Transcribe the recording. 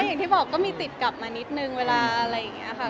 อย่างที่บอกก็มีติดกลับมานิดนึงเวลาอะไรอย่างนี้ค่ะ